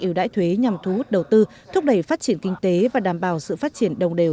ưu đãi thuế nhằm thu hút đầu tư thúc đẩy phát triển kinh tế và đảm bảo sự phát triển đồng đều